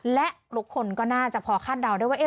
และทุกคนก็น่าจะพอคาดเดาได้ว่า